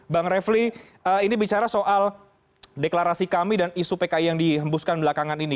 bang refli ini bicara soal deklarasi kami dan isu pki yang dihembuskan belakangan ini